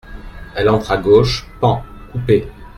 Elle entre à gauche, pan coupé.